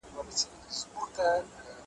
هر وګړی پر فطرت وي زېږېدلی ,